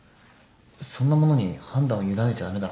そんなものに判断を委ねちゃ駄目だ。